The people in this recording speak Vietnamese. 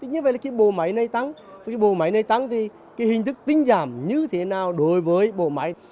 như vậy là cái bộ máy này tăng cái bộ máy này tăng thì cái hình thức tinh giảm như thế nào đối với bộ máy